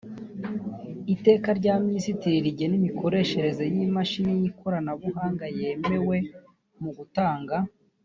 iteka rya minisitiri rigena imikoreshereze y imashini y ikoranabuhanga yemewe mu gutanga